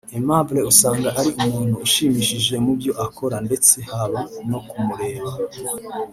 Aimable usanga ari umuntu ushimishije mu byo akora ndetse haba no kumureba